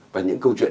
và những câu chuyện